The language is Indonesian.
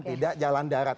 tidak jalan darat